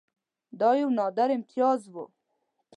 دا یو نادر امتیاز وو.